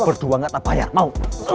lo berdua gak terbayar mau